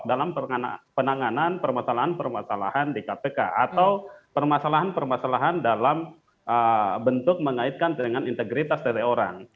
dalam penanganan permasalahan permasalahan di kpk atau permasalahan permasalahan dalam bentuk mengaitkan dengan integritas dari orang